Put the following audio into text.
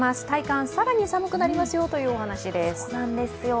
体感更に寒くなりますよというお話です。